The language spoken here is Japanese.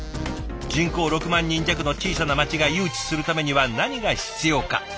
人口６万人弱の小さな町が誘致するためには何が必要か？